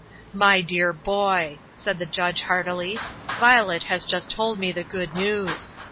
" My dear boy," said the judge, heartily, " Yiolet has just told me the good news.